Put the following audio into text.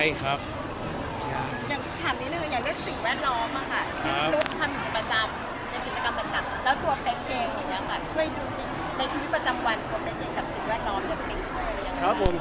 แล้วตัวแปะเกงอย่างไรช่วยดูในชีวิตประจำวันเป็นยังกับสิ่งแวดน้องอย่างไร